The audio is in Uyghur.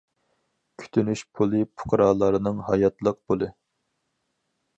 كۈتۈنۈش پۇلى پۇقرالارنىڭ« ھاياتلىق پۇلى».